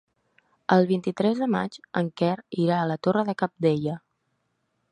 El vint-i-tres de maig en Quer irà a la Torre de Cabdella.